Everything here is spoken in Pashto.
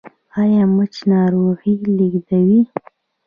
ایا مچ ناروغي لیږدوي؟